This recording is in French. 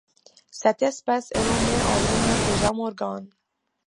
Cette espèce est nommée en l'honneur de James Organ.